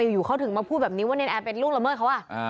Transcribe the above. อยู่เขาถึงพูดแบบนี้เน่นแอเป็ดลูกละเหมือนเขา